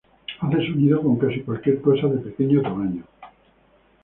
Hace su nido con casi cualquier cosa de pequeño tamaño.